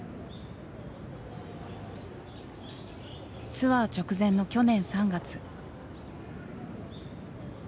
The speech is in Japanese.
ツアー直前の去年３月。